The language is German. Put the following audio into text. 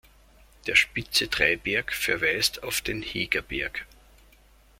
Der spitze Dreiberg verweist auf den Hegerberg.